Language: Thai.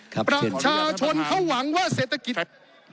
ขอประท้วงครับขอประท้วงครับขอประท้วงครับขอประท้วงครับ